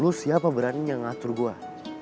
lu siapa berani yang ngatur gue